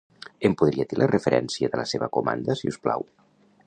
Em podria dir la referència de la seva comanda, si us plau?